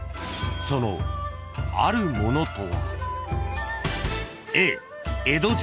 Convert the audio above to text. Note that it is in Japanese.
［そのあるものとは］